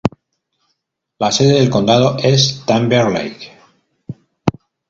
La sede del condado es Timber Lake.